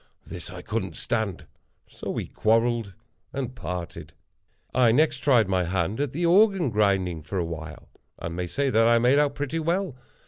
This I couldn't stand—so we quarrelled and parted. I next tried my hand at the Organ Grinding for a while, and may say that I made out pretty well.